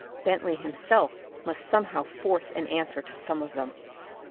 Bentley himself must somehow force an answer to some of them.